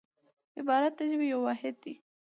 عبارت د ژبي یو واحد دئ.